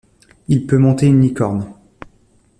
Il peut monter une licorne.